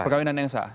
perkawinan yang sah